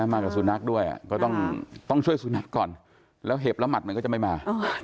มากับสุนัขด้วยก็ต้องช่วยสุนัขก่อนแล้วเห็บแล้วหมัดมันก็จะไม่มา